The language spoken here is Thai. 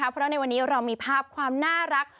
เพราะในวันนี้เรามีภาพความน่ารัก